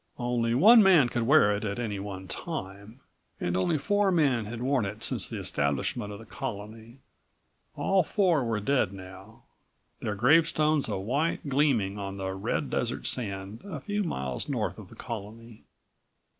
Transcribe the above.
Only one man could wear it at any one time, and only four men had worn it since the establishment of the colony. All four were dead now, their gravestones a white gleaming on the red desert sand a few miles north of the colony.